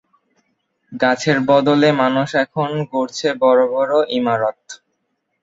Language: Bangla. গাছের বদলে মানুষ এখন গড়ছে বড় বড় ইমারত।